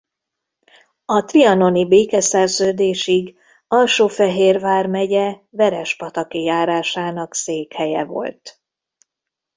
A trianoni békeszerződésig Alsó-Fehér vármegye Verespataki járásának székhelye volt.